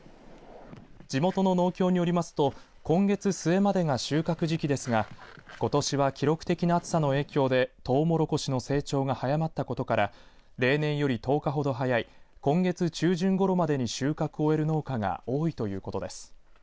地元の農協によりますと今月末までが収穫時期ですがことしは記録的な暑さの影響でとうもろこしの成長が早まったことから例年より１０日ほど早い今月中旬ごろまでに収穫を終える農家が多いということです。